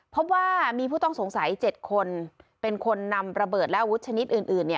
พบว่ามีผู้ต้องสงสัย๗คนเป็นคนนำระเบิดและอาวุธชนิดอื่น